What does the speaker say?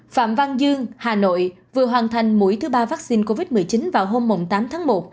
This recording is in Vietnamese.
phạm văn dương hà nội vừa hoàn thành mũi thứ ba vaccine covid một mươi chín vào hôm tám tháng một